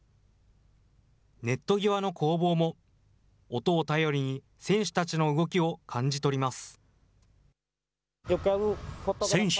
ネット際の攻防も、音を頼りに、選手たちの動きを感じ取ります。